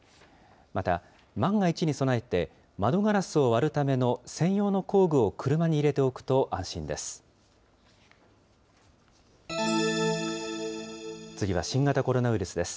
また万が一に備えて、窓ガラスを割るための専用の工具を車に入れておくと安心です。